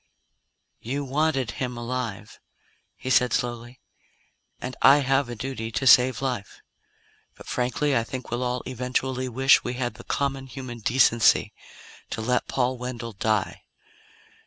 "You wanted him alive," he said slowly, "and I have a duty to save life. But frankly, I think we'll all eventually wish we had the common human decency to let Paul Wendell die.